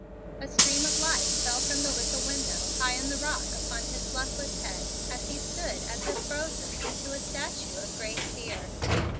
A stream of light fell from the little window high in the rock upon his luckless head as he stood as if frozen into a statue of great fear.